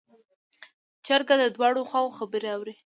جرګه د دواړو خواوو خبرې اوري.